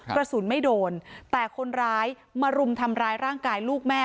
กระสุนไม่โดนแต่คนร้ายมารุมทำร้ายร่างกายลูกแม่